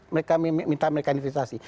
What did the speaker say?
mereka minta mereka investasi